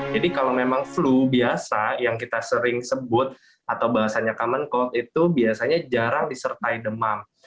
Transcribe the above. jadi kalau memang flu biasa yang kita sering sebut atau bahasanya common cold itu biasanya jarang disertai demam